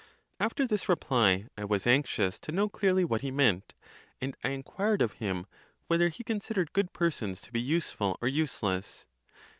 [5.] After this reply, I was anxious to know clearly what he meant, and I inquired of him, whether he considered good persons to be useful or useless.